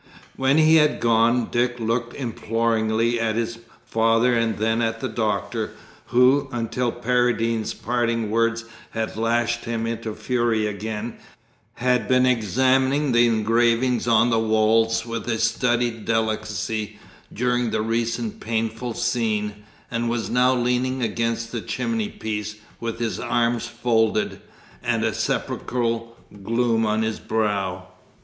When he had gone, Dick looked imploringly at his father and then at the Doctor, who, until Paradine's parting words had lashed him into fury again, had been examining the engravings on the walls with a studied delicacy during the recent painful scene, and was now leaning against the chimney piece with his arms folded and a sepulchral gloom on his brow.